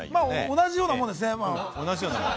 同じようなものですね。